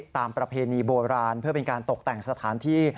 ประเพณีโบราณเพื่อเป็นการตกแต่งสถานที่